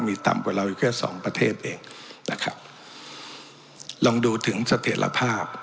มีต่ำกว่าเราอยู่แค่สองประเทศเองนะครับลองดูถึงเสถียรภาพ